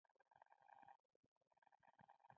پنېر د بدن انرژي زیاتوي.